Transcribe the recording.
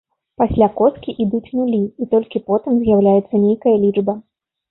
Пасля коскі ідуць нулі і толькі потым з'яўляецца нейкая лічба.